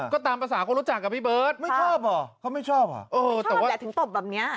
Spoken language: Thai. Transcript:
กับพี่เบิร์ทไม่ชอบเหรอเขาไม่ชอบเหรอไม่ชอบแหละถึงตบแบบเนี้ย